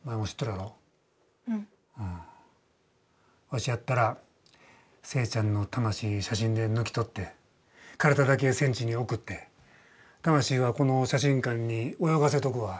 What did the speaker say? わしやったら聖ちゃんの魂写真で抜き取って体だけ戦地に送って魂はこの写真館に泳がせとくわ。